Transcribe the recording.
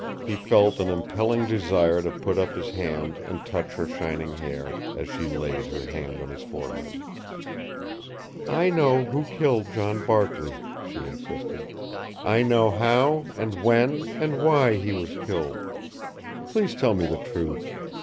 He felt an impelling desire to put up his hand and touch her shining hair, as she laid her hand on his forehead. "I know who killed John Barkley," she insisted. "I know how and when and why he was killed. Please tell me the truth.